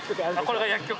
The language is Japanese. ・これが薬局？